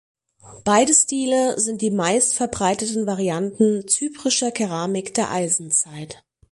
Beide Stile sind die meistverbreiteten Varianten zyprischer Keramik der Eisenzeit.